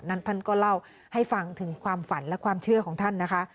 ท่านก็เล่าให้ฟังถึงความฝันและความเชื่อของท่านนะคะ